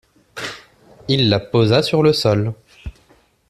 Il la posa sur le sol.